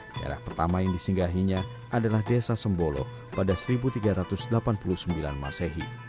daerah pertama yang disinggahinya adalah desa sembolo pada seribu tiga ratus delapan puluh sembilan masehi